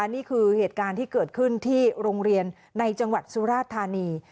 นี่คือเหตุการณ์ที่เกิดขึ้นที่โรงเรียนในจังหวัดสุราธานี